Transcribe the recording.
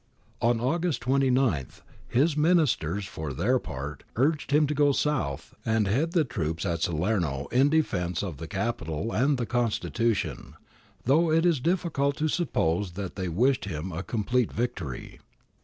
On August 29 his Ministers for their part urged him to go south and head the troops at Salerno in defence of the Capital and the constitution, though it is difficult to suppose that they wished him a complete victory.